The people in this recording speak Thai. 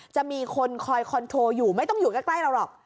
จะมีคนคอยคอนโทรอยู่ไม่ต้องอยู่ใกล้เราหรอก